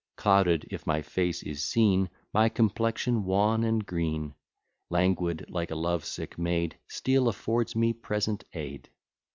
Clouded if my face is seen, My complexion wan and green, Languid like a love sick maid, Steel affords me present aid.